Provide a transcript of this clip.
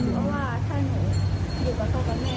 เพราะว่าถ้าหนูอยู่กับเขากับแม่